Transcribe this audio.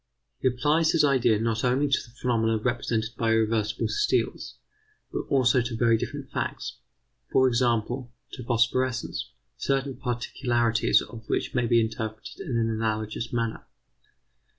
He applies his ideas not only to the phenomena presented by irreversible steels, but also to very different facts; for example, to phosphorescence, certain particularities of which may be interpreted in an analogous manner.